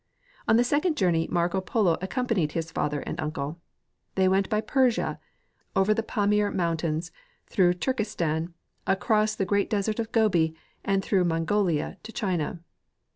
On the second journey Marco Polo accompanied his father and uncle. They went by Persia, over the Pamir mountains, through Turkestan, across the great desert of Gobi, and through Mongolia to China.